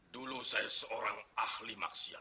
dulu saya seorang ahli maksiat